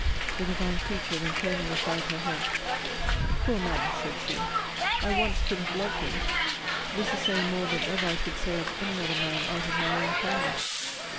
The divine creature then turning aside her head Poor man, said she! I once could have loved him. This is saying more than ever I could say of any other man out of my own family!